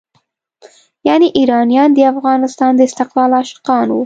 یعنې ایرانیان د افغانستان د استقلال عاشقان وو.